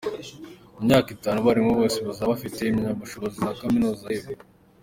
Mu myaka itanu abarimu bose bazaba bafite impamyabushobozi za kaminuza rebu